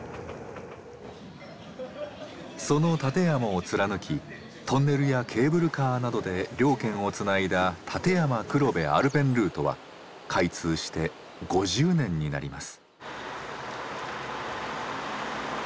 その立山を貫きトンネルやケーブルカーなどで両県をつないだ立山黒部アルペンルートは開通して５０年になります。